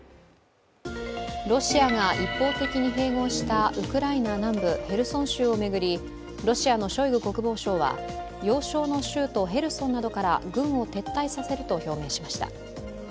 ロシアが一方的に併合したウクライナ南部ヘルソン州を巡り、ロシアのショイグ国防相は要衝の州都ヘルソンなどから軍を撤退させると表明しました。